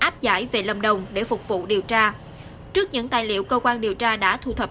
trong những lúc này